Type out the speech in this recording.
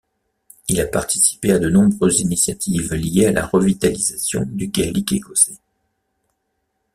Il a participé à de nombreuses initiatives liées à la revitalisation du gaélique écossais.